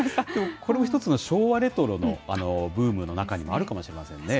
これも一つの昭和レトロのブームの中にもあるかもしれませんね。